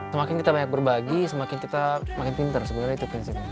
semakin kita banyak berbagi semakin kita makin pinter sebenarnya itu prinsipnya